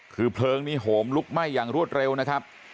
คือเพลิงนี้โหมลุกไหม้อย่างรวดเร็วนะครับ